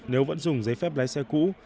nếu vẫn dùng giấy phép lái xe cũ